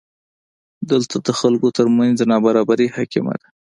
دلته د خلکو ترمنځ نابرابري حاکمه ده.